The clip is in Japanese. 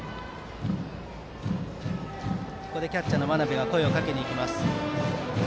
キャッチャーの真鍋が声をかけに行きました。